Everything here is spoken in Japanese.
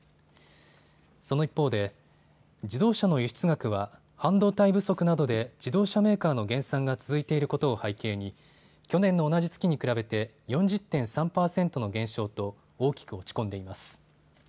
その一方で自動車の輸出額は半導体不足などで自動車メーカーの減産が続いていることを背景に去年の同じ月に比べて４０．３％の減少と大きく落ち込んでいます。